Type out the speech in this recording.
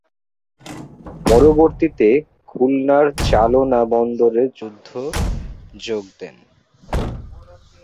পরবর্তীতে খুলনার চালনা বন্দরে যুদ্ধে যোগ দেন।